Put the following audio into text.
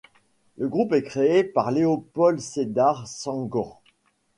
Le groupe est créé par Léopold Sédar Senghor.